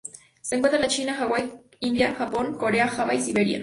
Se encuentra en China, Hawaii, India, Japón, Corea, Java y Siberia.